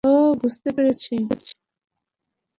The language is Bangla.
ও বুঝতে পেরেছি।